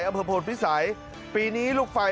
อำเภอพลพิสัยปีนี้ลูกไฟ